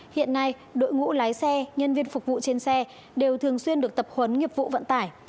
hiện nay đội ngũ lái xe nhân viên phục vụ trên xe đều thường xuyên được tập huấn nghiệp vụ vận tải